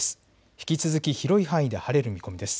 引き続き広い範囲で晴れる見込みです。